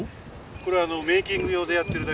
これはメーキング用でやってるだけでですね